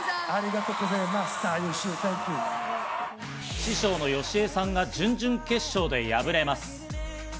師匠のＹＯＳＨＩＥさんが準々決勝で敗れます。